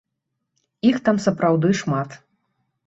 Іх там сапраўды шмат.